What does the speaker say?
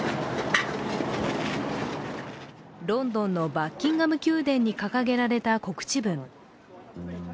ロンドンのバッキンガム宮殿に掲げられた告知文。